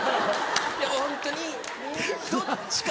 ホントにどっちか。